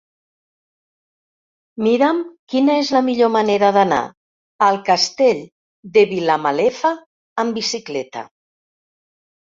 Mira'm quina és la millor manera d'anar al Castell de Vilamalefa amb bicicleta.